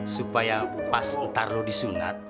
supaya pas ntar lu disunat